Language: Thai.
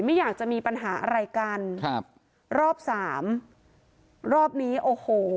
ไม่อยากจะมีปัญหาอะไรกันครับรอบสามรอบนี้โอ้โห